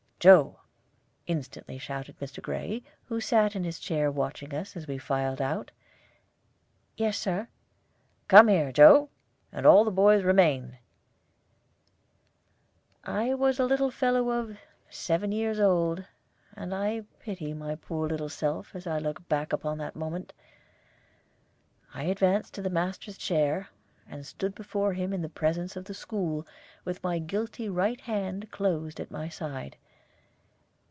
"Joe!" instantly shouted Mr. Gray, who sat in his chair watching us as we filed out. "Yes, Sir." "Come here, Joe, and all the boys remain." I was a little fellow of seven years old, and I pity my poor little self as I look back upon that moment. I advanced to the master's chair, and stood before him in the presence of the school, with my guilty right hand closed at my side.